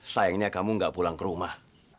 sayangnya kamu gak pulang ke rumah